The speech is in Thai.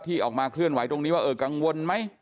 ออกมาเคลื่อนไหวตรงนี้ว่าเออกังวลไหม